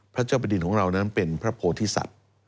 พระเจ้าบดินของเรานั้นเป็นพระโพธิสัตว์